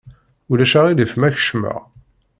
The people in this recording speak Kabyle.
Ulac aɣilif ma kecmeɣ?